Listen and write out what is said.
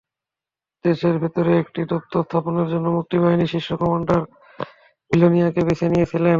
দেশের ভেতরে একটি দপ্তর স্থাপনের জন্য মুক্তিবাহিনীর শীর্ষ কমান্ডাররা বিলোনিয়াকে বেছে নিয়েছিলেন।